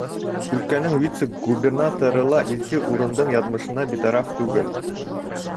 Өлкәнең вице-губернаторы ла изге урындың яҙмышына битараф түгел.